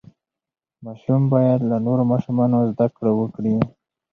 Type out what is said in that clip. ماشوم باید له نورو ماشومانو زده کړه وکړي.